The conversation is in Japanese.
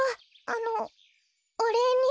あのおれいに。